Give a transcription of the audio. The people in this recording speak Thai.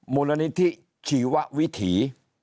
มูลนิธิชีววิถี